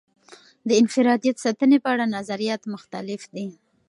د انفرادیت ساتنې په اړه نظریات مختلف دي.